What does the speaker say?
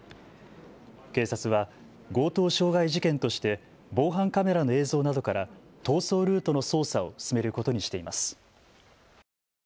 警察は強盗傷害事件として防犯カメラの映像などから逃走ルートの捜査を進めることにしています。